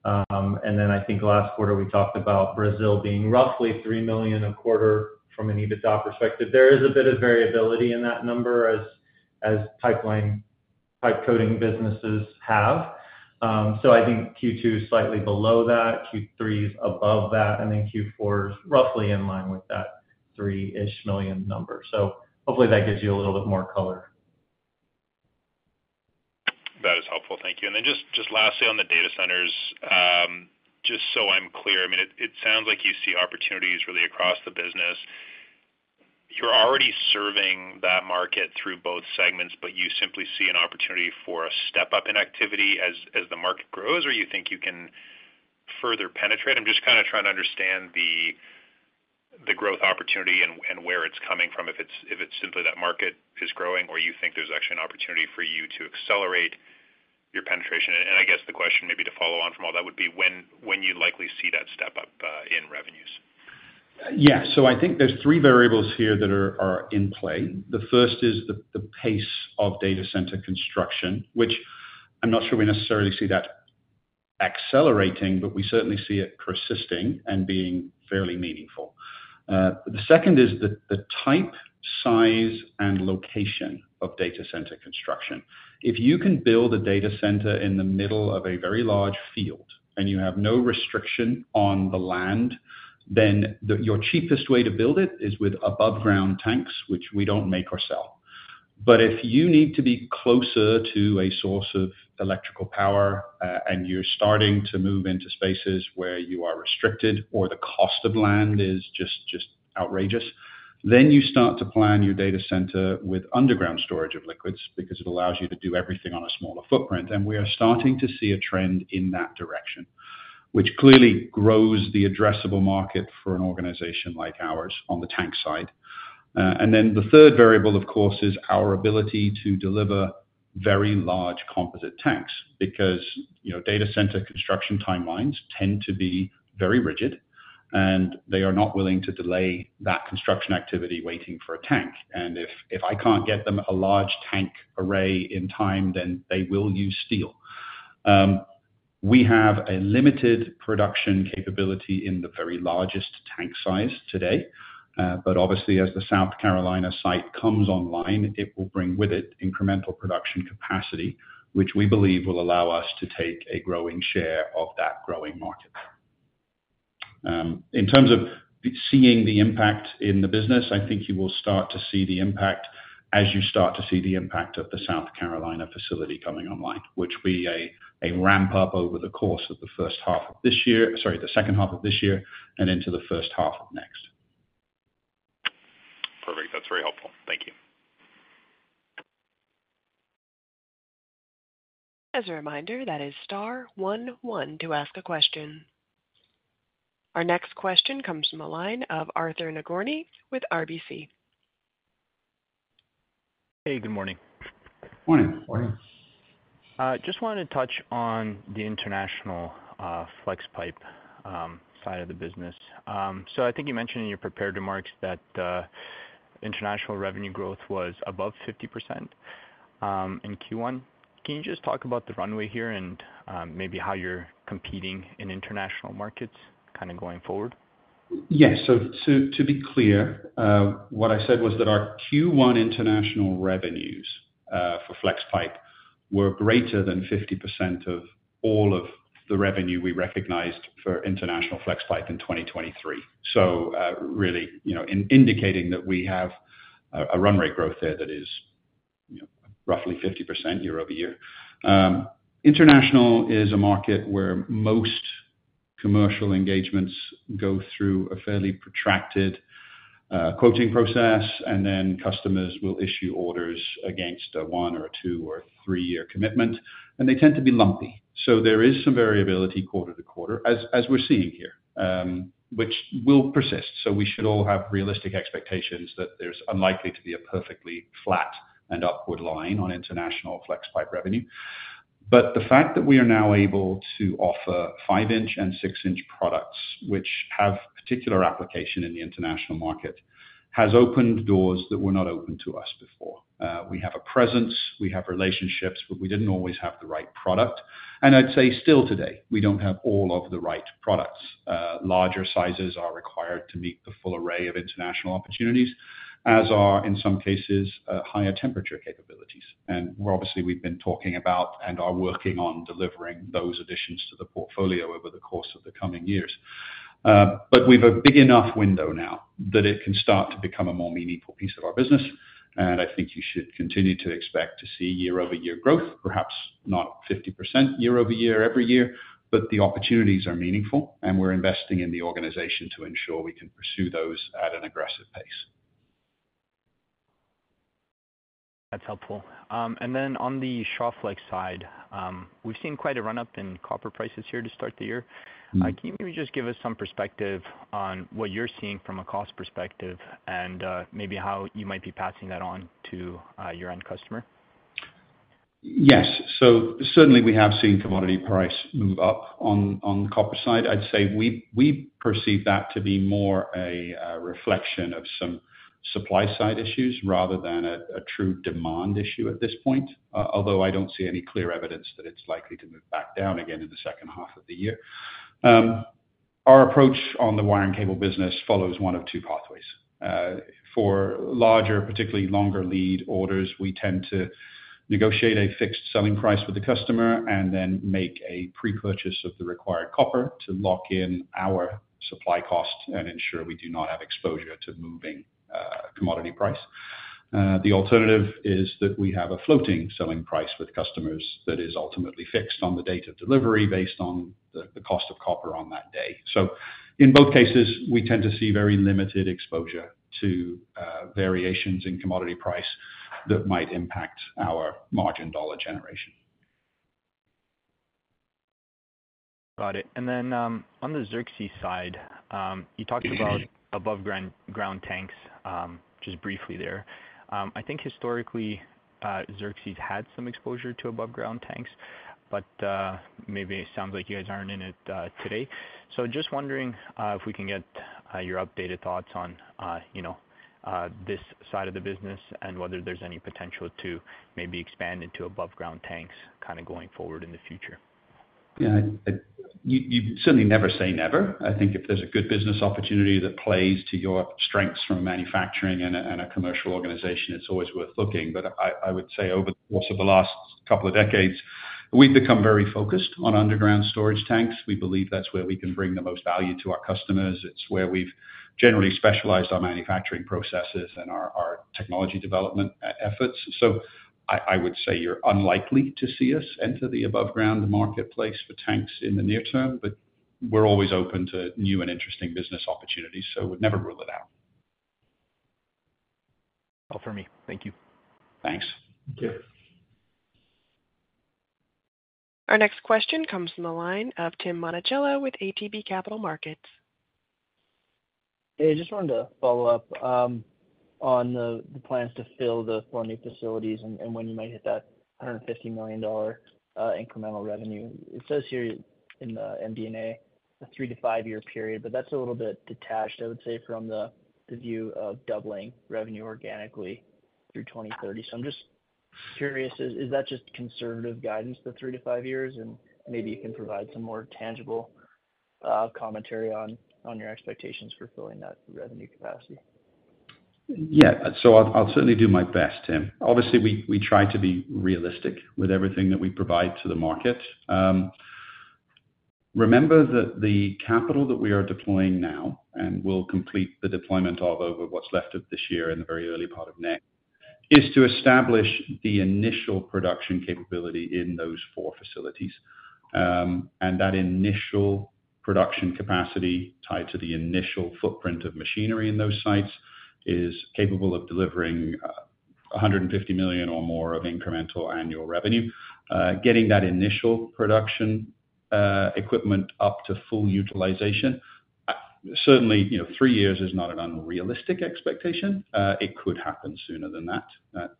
and then I think last quarter we talked about Brazil being roughly $3 million a quarter from an EBITDA perspective. There is a bit of variability in that number as pipeline pipe coating businesses have. So I think Q2 is slightly below that, Q3 is above that, and then Q4 is roughly in line with that $3 million number. So hopefully that gives you a little bit more color. That is helpful. Thank you. And then just lastly on the data centers, just so I'm clear, I mean, it sounds like you see opportunities really across the business. You're already serving that market through both segments, but you simply see an opportunity for a step up in activity as the market grows, or you think you can further penetrate? I'm just kinda trying to understand the growth opportunity and where it's coming from, if it's simply that market is growing, or you think there's actually an opportunity for you to accelerate your penetration. And I guess the question maybe to follow on from all that would be when you likely see that step up in revenues. Yeah. So I think there's three variables here that are in play. The first is the pace of data center construction, which I'm not sure we necessarily see that accelerating, but we certainly see it persisting and being fairly meaningful. The second is the type, size, and location of data center construction. If you can build a data center in the middle of a very large field, and you have no restriction on the land, then your cheapest way to build it is with above ground tanks, which we don't make or sell. But if you need to be closer to a source of electrical power, and you're starting to move into spaces where you are restricted or the cost of land is just, just outrageous, then you start to plan your data center with underground storage of liquids, because it allows you to do everything on a smaller footprint. And we are starting to see a trend in that direction, which clearly grows the addressable market for an organization like ours on the tank side. And then the third variable, of course, is our ability to deliver very large composite tanks, because, you know, data center construction timelines tend to be very rigid, and they are not willing to delay that construction activity waiting for a tank. And if I can't get them a large tank array in time, then they will use steel.... We have a limited production capability in the very largest tank size today, but obviously, as the South Carolina site comes online, it will bring with it incremental production capacity, which we believe will allow us to take a growing share of that growing market. In terms of seeing the impact in the business, I think you will start to see the impact as you start to see the impact of the South Carolina facility coming online, which will be a ramp up over the course of the first half of this year sorry, the second half of this year and into the first half of next. Perfect. That's very helpful. Thank you. As a reminder, that is star one one to ask a question. Our next question comes from the line of Arthur Nagorny with RBC. Hey, good morning. Morning. Morning. Just wanted to touch on the international Flexpipe side of the business. I think you mentioned in your prepared remarks that international revenue growth was above 50% in Q1. Can you just talk about the runway here and maybe how you're competing in international markets kind of going forward? Yes. So, so to be clear, what I said was that our Q1 international revenues for Flexpipe were greater than 50% of all of the revenue we recognized for international Flexpipe in 2023. So, really, you know, in indicating that we have a run rate growth there that is, you know, roughly 50% year over year. International is a market where most commercial engagements go through a fairly protracted quoting process, and then customers will issue orders against a one or two or three year commitment, and they tend to be lumpy. So there is some variability quarter to quarter as we're seeing here, which will persist. So we should all have realistic expectations that there's unlikely to be a perfectly flat and upward line on international Flexpipe revenue. But the fact that we are now able to offer 5-inch and 6-inch products, which have particular application in the international market, has opened doors that were not open to us before. We have a presence, we have relationships, but we didn't always have the right product. And I'd say still today, we don't have all of the right products. Larger sizes are required to meet the full array of international opportunities, as are, in some cases, higher temperature capabilities. And obviously, we've been talking about and are working on delivering those additions to the portfolio over the course of the coming years. But we've a big enough window now that it can start to become a more meaningful piece of our business, and I think you should continue to expect to see year-over-year growth, perhaps not 50% year-over-year, every year, but the opportunities are meaningful, and we're investing in the organization to ensure we can pursue those at an aggressive pace. That's helpful. And then on the Shawflex side, we've seen quite a run-up in copper prices here to start the year. Mm-hmm. Can you just give us some perspective on what you're seeing from a cost perspective and maybe how you might be passing that on to your end customer? Yes. So certainly we have seen commodity price move up on the copper side. I'd say we perceive that to be more a reflection of some supply-side issues rather than a true demand issue at this point, although I don't see any clear evidence that it's likely to move back down again in the second half of the year. Our approach on the wire and cable business follows one of two pathways. For larger, particularly longer lead orders, we tend to negotiate a fixed selling price with the customer and then make a pre-purchase of the required copper to lock in our supply cost and ensure we do not have exposure to moving commodity price. The alternative is that we have a floating selling price with customers that is ultimately fixed on the date of delivery, based on the cost of copper on that day. So in both cases, we tend to see very limited exposure to variations in commodity price that might impact our margin dollar generation. Got it. And then, on the Xerxes side, you talked about aboveground tanks, just briefly there. I think historically, Xerxes had some exposure to aboveground tanks, but, maybe it sounds like you guys aren't in it, today. So just wondering, if we can get, your updated thoughts on, you know, this side of the business and whether there's any potential to maybe expand into aboveground tanks kind of going forward in the future. Yeah, you certainly never say never. I think if there's a good business opportunity that plays to your strengths from a manufacturing and a commercial organization, it's always worth looking. But I would say over the course of the last couple of decades, we've become very focused on underground storage tanks. We believe that's where we can bring the most value to our customers. It's where we've generally specialized our manufacturing processes and our technology development efforts. So I would say you're unlikely to see us enter the aboveground marketplace for tanks in the near term, but we're always open to new and interesting business opportunities, so we'd never rule it out. All for me. Thank you. Thanks. Thank you. Our next question comes from the line of Tim Monachello with ATB Capital Markets. Hey, just wanted to follow up on the plans to fill the four new facilities and when you might hit that $150 million incremental revenue. It says here in the MD&A, a three-to-five-year period, but that's a little bit detached, I would say, from the view of doubling revenue organically through 2030. So I'm just curious, is that just conservative guidance for three to five years? And maybe you can provide some more tangible commentary on your expectations for filling that revenue capacity. Yeah. So I'll certainly do my best, Tim. Obviously, we try to be realistic with everything that we provide to the market. Remember that the capital that we are deploying now, and we'll complete the deployment of over what's left of this year in the very early part of next, is to establish the initial production capability in those four facilities. And that initial production capacity tied to the initial footprint of machinery in those sites is capable of delivering $150 million or more of incremental annual revenue. Getting that initial production equipment up to full utilization, certainly, you know, three years is not an unrealistic expectation. It could happen sooner than that.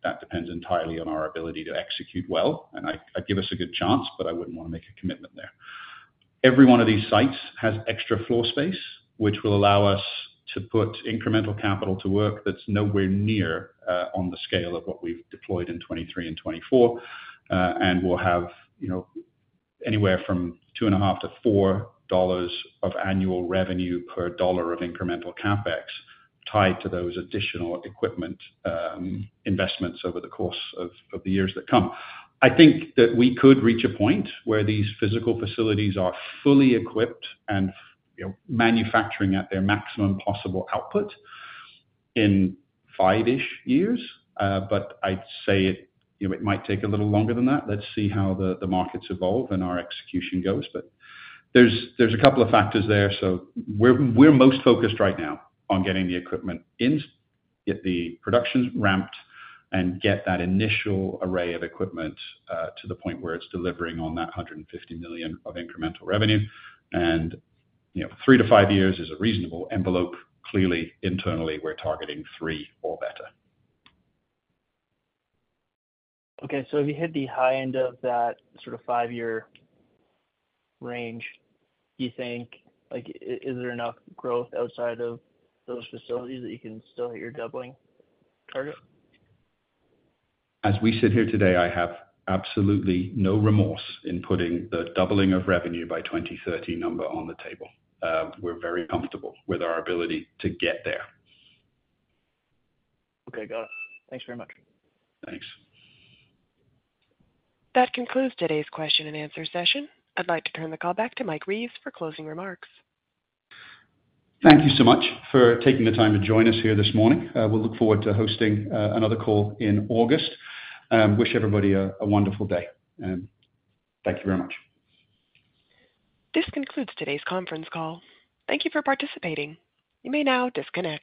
That depends entirely on our ability to execute well, and I'd give us a good chance, but I wouldn't wanna make a commitment there. Every one of these sites has extra floor space, which will allow us to put incremental capital to work that's nowhere near on the scale of what we've deployed in 2023 and 2024. And we'll have, you know, anywhere from $2.5-$4 of annual revenue per dollar of incremental CapEx tied to those additional equipment investments over the course of the years that come. I think that we could reach a point where these physical facilities are fully equipped and, you know, manufacturing at their maximum possible output in five-ish years. But I'd say, you know, it might take a little longer than that. Let's see how the markets evolve and our execution goes. But there's a couple of factors there. So we're most focused right now on getting the equipment in, get the production ramped, and get that initial array of equipment to the point where it's delivering on that $150 million of incremental revenue. And, you know, 3-5 years is a reasonable envelope. Clearly, internally, we're targeting 3 or better. Okay, so if you hit the high end of that sort of five-year range, do you think, like, is there enough growth outside of those facilities that you can still hit your doubling target? As we sit here today, I have absolutely no remorse in putting the doubling of revenue by 2030 number on the table. We're very comfortable with our ability to get there. Okay, got it. Thanks very much. Thanks. That concludes today's question and answer session. I'd like to turn the call back to Mike Reeves for closing remarks. Thank you so much for taking the time to join us here this morning. We'll look forward to hosting another call in August. Wish everybody a wonderful day, and thank you very much. This concludes today's conference call. Thank you for participating. You may now disconnect.